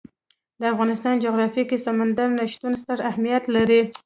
د افغانستان جغرافیه کې سمندر نه شتون ستر اهمیت لري.